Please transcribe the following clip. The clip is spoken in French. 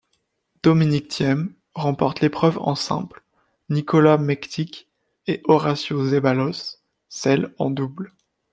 Dominic Thiem remporte l'épreuve en simple, Nikola Mektić et Horacio Zeballos celle en double.